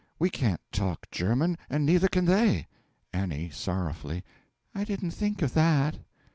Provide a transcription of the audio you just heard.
we can't talk German and neither can they! A. (Sorrowfully.) I didn't think of that.